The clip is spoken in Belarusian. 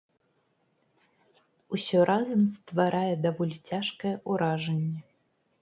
Усё разам стварае даволі цяжкае ўражанне.